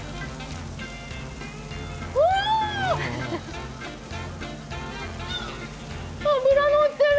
わ脂のってる！